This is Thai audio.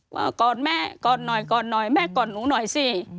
กอดแม่กอดหน่อยกอดหน่อยแม่กอดหนูหน่อยสิ